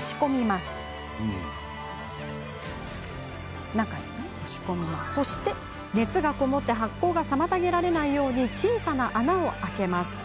さらに、熱がこもって発酵が妨げられないように小さな穴を開けます。